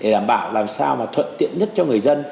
đảm bảo làm sao mà thuận tiện nhất cho người dân